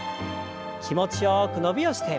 気持ちよく伸びをして。